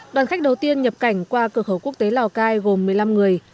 đoàn khách đầu tiên nhập cảnh qua cửa khẩu quốc tế lào cai gồm một mươi năm người